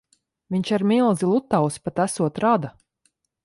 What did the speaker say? Viņš ar milzi Lutausi pat esot rada.